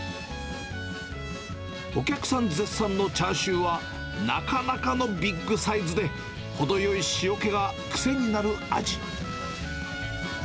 お客さん絶賛のチャーシューは、なかなかのビッグサイズで、程よい塩気が癖になる味。